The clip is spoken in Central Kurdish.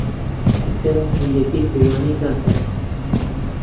چرکە یەکەی پێوانی کاتە.